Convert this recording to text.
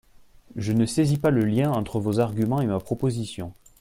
Je ne saisis pas le lien entre vos arguments et ma proposition.